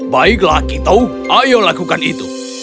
baiklah kita ayo lakukan itu